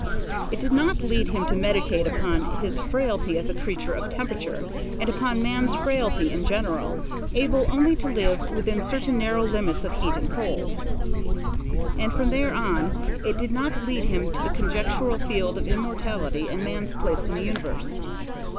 It did not lead him to meditate upon his frailty as a creature of temperature, and upon man's frailty in general, able only to live within certain narrow limits of heat and cold; and from there on it did not lead him to the conjectural field of immortality and man's place in the universe.